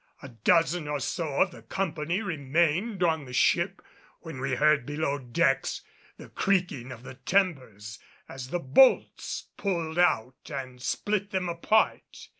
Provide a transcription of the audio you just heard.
A dozen or so of the company remained on the ship when we heard below decks the creaking of the timbers as the bolts pulled out and split them apart.